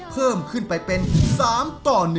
เพิ่มขึ้นไปเป็น๓ต่อ๑